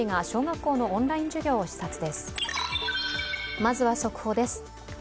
まずは速報です。